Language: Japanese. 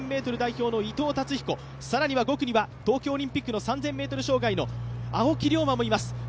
ｍ代表の伊藤達彦、５区には東京オリンピック３０００ｍ障害の青木涼真もいます。